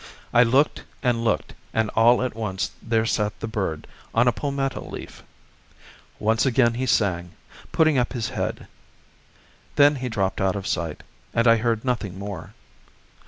I looked and looked, and all at once there sat the bird on a palmetto leaf. Once again he sang, putting up his head. Then he dropped out of sight, and I heard nothing more.